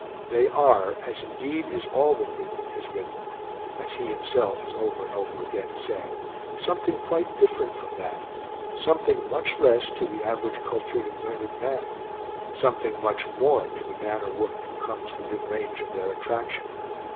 They are, as indeed is all that Whitman has written (as he himself has over and over again said), something quite different from that something much less to the average cultured and learned man, something much more to the man or woman who comes within range of their attraction.